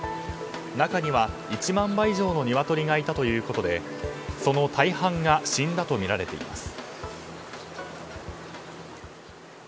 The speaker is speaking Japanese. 中には１万羽以上のニワトリがいたということで、その大半が死んだとみられています。